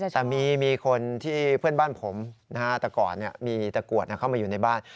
แต่มีคนที่เพื่อนบ้านผมแต่ก่อนมีตะกรวดเข้ามาอยู่ในบ้าน